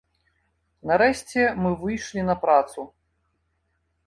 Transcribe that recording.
Нарэшце мы выйшлі на працу.